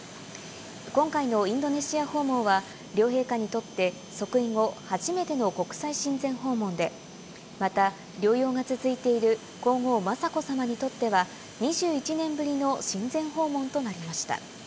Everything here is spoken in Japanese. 今回のインドネシア訪問は、両陛下にとって即位後初めての国際親善訪問で、また療養が続いている皇后雅子さまにとっては、２１年ぶりの親善訪問となりました。